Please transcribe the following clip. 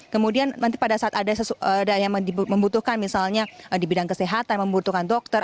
kemudian nanti pada saat ada yang membutuhkan misalnya di bidang kesehatan membutuhkan dokter